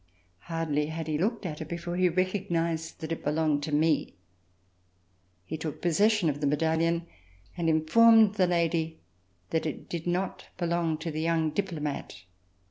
Hardly had he looked at it before he recognized that it belonged to me. He took possession of the medallion and informed the lady that it did not belong to the young diplomat.